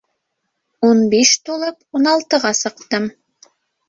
— Ун биш тулып ун алтыға сыҡтым.